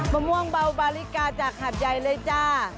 มะม่วงเบาบาริกาจากหาดใหญ่เลยจ้า